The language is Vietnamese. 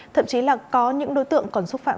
thậm chí là có những đối tượng còn xúc phạm